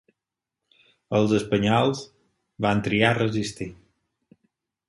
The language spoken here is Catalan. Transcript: Els espanyols van triar resistir.